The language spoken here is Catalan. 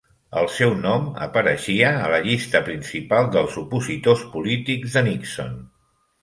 El seu nom apareixia a la llista principal dels opositors polítics de Nixon.